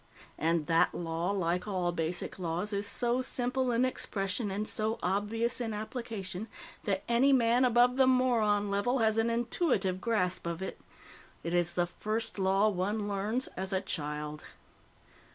And that law, like all basic laws, is so simple in expression and so obvious in application that any man above the moron level has an intuitive grasp of it. It is the first law one learns as a child.